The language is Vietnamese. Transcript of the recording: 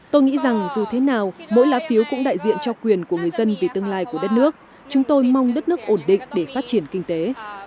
tôi nghĩ rằng dù thế nào mỗi lá phiếu cũng đại diện cho quyền của người dân vì tương lai của đất nước chúng tôi mong đất nước ổn định để phát triển kinh tế